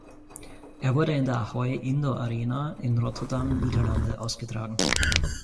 Er wurde in der Ahoy Indoor-Arena in Rotterdam, Niederlande ausgetragen.